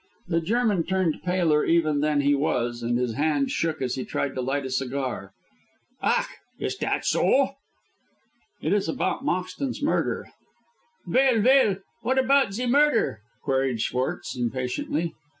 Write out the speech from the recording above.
The German turned paler even than he was, and his hand shook as he tried to light a cigar. "Ach! Is dat zo?" "It is about Moxton's murder." "Veil, veil, what apout ze murder?" queried Schwartz, impatiently.